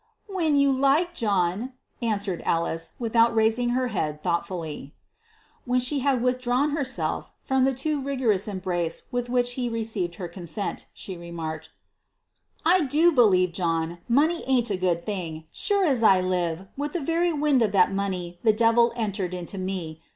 "When you like, John," answered Alice, without raising her head, thoughtfully. When she had withdrawn herself from the too rigorous embrace with which he received her consent, she remarked "I do believe, John, money ain't a good thing! Sure as I live, with the very wind o' that money, the devil entered into me.